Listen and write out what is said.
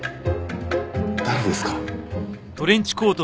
誰ですか？